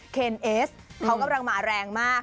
เคนเอสเขากำลังมาแรงมาก